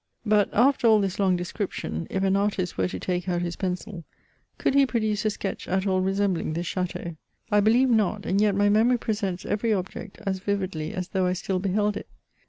9ut, after all this long descrip^on, if an artist were to take out his pencil, could he produce a sketch at all resembling this chateau ? I beUeye not, and yet my memory presents every object ^ yividly as though I still beheld it.